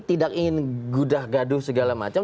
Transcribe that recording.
tidak ingin gudah gaduh segala macam